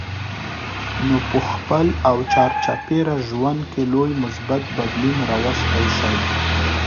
نو په خپل او چار چاپېره ژوند کې لوی مثبت بدلون راوستی شئ.